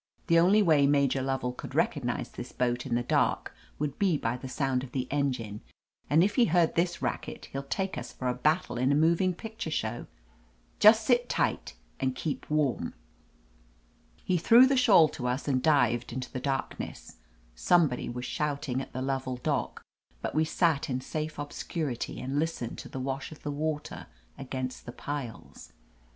The only way Major Lovell could recognize this boat in the dark would be by the sound of the engine, and if he heard this racket he'll take us for a battle in a moving picture show. Just sit tight and keep warm." 323 THE AMAZING ADVENTURES He threw the shawl to us and dived into the darkness. Somebody was shouting at the Lovell dock, but we sat In safe obscurity and listened to the wash of the water against the piles.